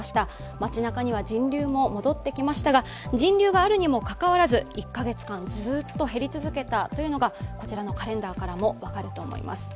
街なかには人流が戻ってきましたが人流があるにもかかわらず、１カ月間ずっと減り続けたというのがこちらのカレンダーからも分かると思います。